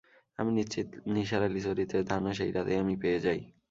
আমি নিশ্চিত নিসার আলি চরিত্রের ধারণা সেই রাতেই আমি পেয়ে যাই।